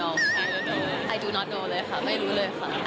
เห็นว่าเค้าจะเซอร์ไพรส์ยังไงบ้างแบบเย็นดี